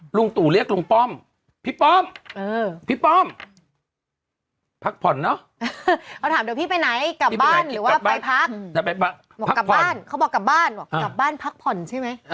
หรือว่าไปพักบอกกลับบ้านเขาบอกกลับบ้านบอกกลับบ้านพักผ่อนใช่ไหม